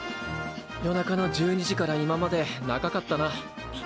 夜中の１２時から今まで長かったな。